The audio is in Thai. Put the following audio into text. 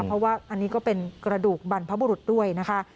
เพราะว่าอันนี้ก็เป็นกระดูกบรรพบุรุษด้วยนะคะ